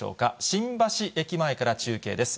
新橋駅前から中継です。